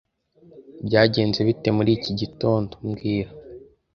Byagenze bite muri iki gitondo mbwira